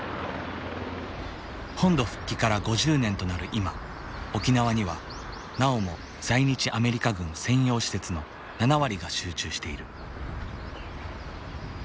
本土復帰から５０年となる今沖縄にはなおも在日アメリカ軍専用施設の７割が集中している。